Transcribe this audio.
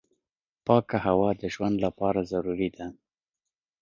پاکه هوا د ژوند لپاره ضروري ده.